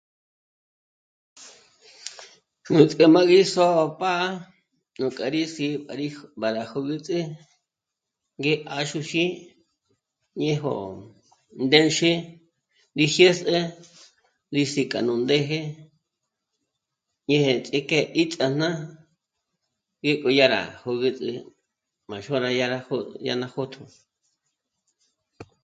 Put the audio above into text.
Nuts'ké má gí só'o pá'a nú k'a rí sí'i para jö̌güts'eje ngé 'àxuxí ñéjo ndë́nxi rí jyès'e rí sí'i k'a nú ndéje ñéje ts'íjke íts'aná ngéko dyá rá jögüts'eje má xôra dya rá jó'o dyà ná jôto